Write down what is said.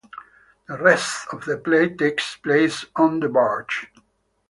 The rest of the play takes place on the barge.